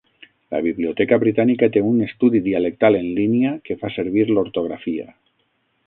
La Biblioteca Britànica té un estudi dialectal en línia que fa servir l'ortografia.